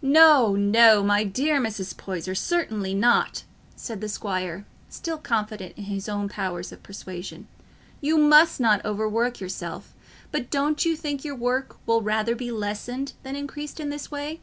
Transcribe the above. "No, no, my dear Mrs. Poyser, certainly not," said the squire, still confident in his own powers of persuasion, "you must not overwork yourself; but don't you think your work will rather be lessened than increased in this way?